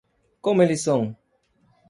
Como eles são?